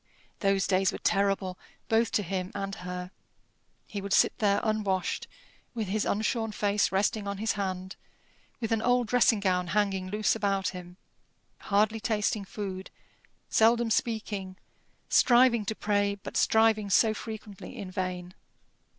Those days were terrible both to him and her. He would sit there unwashed, with his unshorn face resting on his hand, with an old dressing gown hanging loose about him, hardly tasting food, seldom speaking, striving to pray, but striving so frequently in vain.